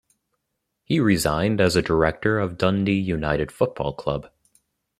He resigned as a director of Dundee United Football Club.